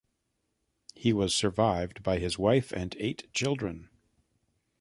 He was survived by his wife and eight children.